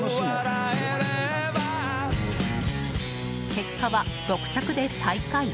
結果は６着で最下位。